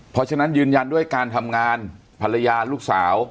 เพราะฉะนั้นยืนยันด้วยการทำงานภรรยาลูกสาว